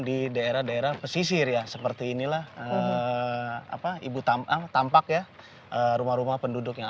di daerah daerah pesisir ya seperti inilah apa ibu tampak tampak ya rumah rumah penduduk yang